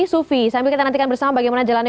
sufi sambil kita nantikan bersama bagaimana jalannya